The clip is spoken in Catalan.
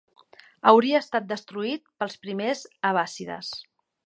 Hauria estat destruït pels primers abbàssides.